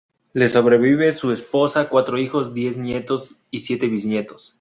Le sobreviven su esposa, cuatro hijos, diez nietos y siete bisnietos.